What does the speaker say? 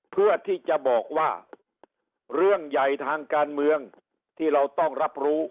เพื่อที่จะบอกว่าเรื่องใหญ่ทางการเมืองที่เราต้องรับรู้